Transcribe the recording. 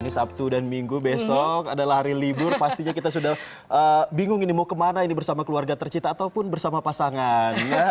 ini sabtu dan minggu besok adalah hari libur pastinya kita sudah bingung ini mau kemana ini bersama keluarga tercinta ataupun bersama pasangan